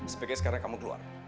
seperti sekarang kamu keluar